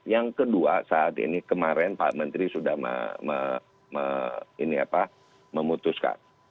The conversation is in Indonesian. yang kedua saat ini kemarin pak menteri sudah memutuskan